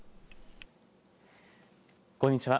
こんにちは。